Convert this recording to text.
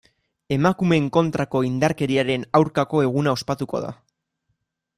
Emakumeen kontrako indarkeriaren aurkako eguna ospatuko da.